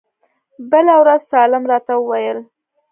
بله ورځ سالم راته وويل.